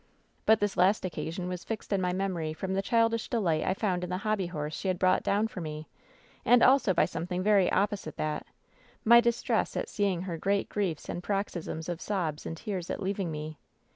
But this last occasion was fixed in my memory from the childish delight I found in the hobby ' horse die had brought down for me, and also by some thing very opposite that — ^my distress at seeing her great griefs and paroxysms of sobs and tears at leaving me.